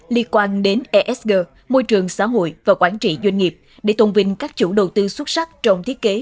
liên quan đến esg môi trường xã hội và quản trị doanh nghiệp để tôn vinh các chủ đầu tư xuất sắc trong thiết kế